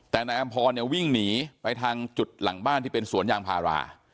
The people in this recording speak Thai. แต่นายอำพรเนี่ยวิ่งหนีไปทางจุดหลังบ้านที่เป็นสวนยางพารา